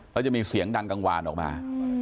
แล้วจะมีเสียงดังกลางวานออกมา